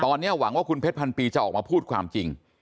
ตอนนี้หวังว่าคุณเพชรพันปีจะออกมาพูดความจริง